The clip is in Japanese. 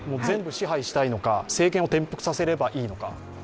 全部支配したいのか、政権を転覆させればいいのか。